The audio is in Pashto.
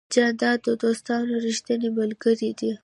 جانداد د دوستانو ریښتینی ملګری دی.